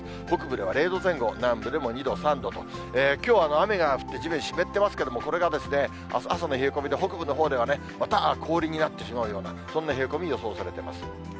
北部では０度前後、南部でも２度、３度と、きょうは雨が降って地面、湿ってますけれども、これがあす朝の冷え込みで、北部のほうではまた氷になってしまうような、そんな冷え込み、予想されています。